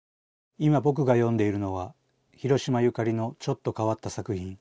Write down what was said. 今僕が読んでいるのは広島ゆかりのちょっと変わった作品。